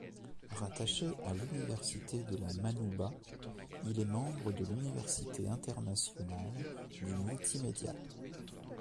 Rattaché à l'Université de La Manouba, il est membre de l'Université internationale du multimédia.